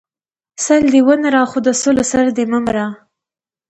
ـ سل دی ونره خو د سلو سر دی مه مره.